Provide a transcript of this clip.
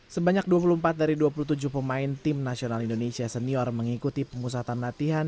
sebanyak dua puluh empat dari dua puluh tujuh pemain tim nasional indonesia senior mengikuti pemusatan latihan